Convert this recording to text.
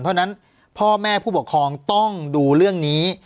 เพราะฉะนั้นพ่อแม่ผู้ปกครองต้องดูเรื่องนี้